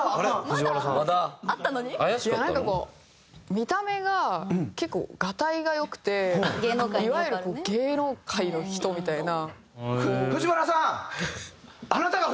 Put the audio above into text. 見た目が結構ガタイが良くていわゆる芸能界の人みたいな。